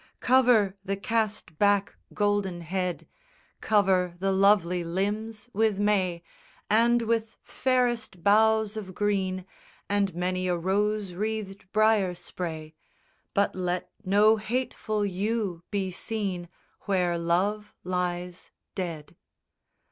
Cover the cast back golden head, Cover the lovely limbs with may, And with fairest boughs of green, And many a rose wreathed briar spray; But let no hateful yew be seen Where Love lies dead.